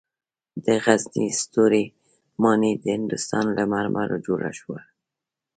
د غزني ستوري ماڼۍ د هندوستان له مرمرو جوړه وه